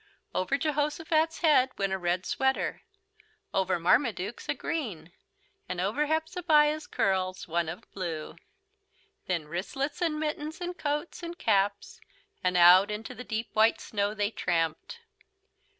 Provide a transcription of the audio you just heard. Over Jehosophat's head went a red sweater, over Marmaduke's a green, and over Hepzebiah's curls one of blue. Then wristlets and mittens and coats and caps, and out into the deep white snow they tramped.